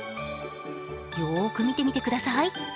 よーく見てみてください。